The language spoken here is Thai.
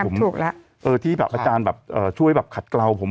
ผมดุแล้วเออที่แบบอาจารย์แบบช่วยแบบขัดเกลาผม